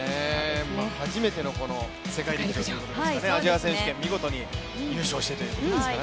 初めての世界陸上ということですからね、アジア選手権見事に優勝してということですからね。